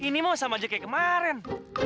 ini mah sama aja kayak kemaren